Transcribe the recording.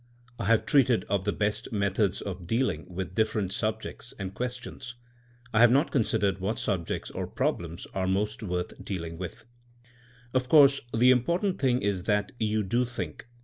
I have treated of the best meth ods of dealing with different subjects and ques tions; I have not considered what subjects or problems are most worth dealing with. Of course the important thing is that you do think.